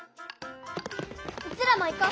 うちらも行こう！